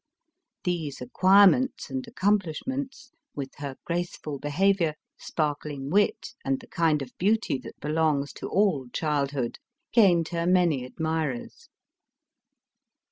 These acquirements and accomplishments, with her graceful behavior, sparkling wit, and the kind of beauty that belongs to all childhood, gained her many admirers.